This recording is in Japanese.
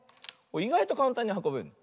いがいとかんたんにはこべるの。